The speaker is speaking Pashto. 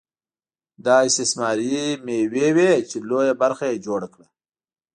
دا استثماري مېوې وې چې لویه برخه یې جوړه کړه